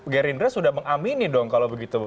gerindra sudah mengamini dong kalau begitu